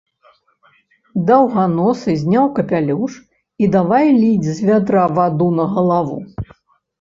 Даўганосы зняў капялюш і давай ліць з вядра ваду на галаву.